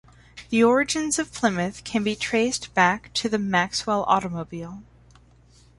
The origins of Plymouth can be traced back to the Maxwell automobile.